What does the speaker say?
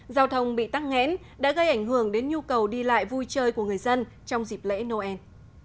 giao thông bị tắt nghẽn đã gây ảnh hưởng đến nhu cầu đi lại vui chơi của người dân trong dịp lễ noel